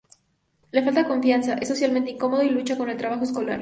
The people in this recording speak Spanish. Le falta confianza, es socialmente incómodo y lucha con el trabajo escolar.